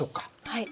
はい。